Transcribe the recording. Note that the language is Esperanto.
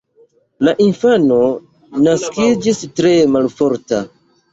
La infano naskiĝis tre malforta.